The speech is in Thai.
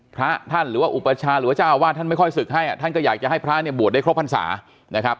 พระท่านหรือว่าอุปชาหรือว่าเจ้าว่าท่านไม่ค่อยศึกให้ท่านก็อยากให้พระบวชได้ครบพรรษา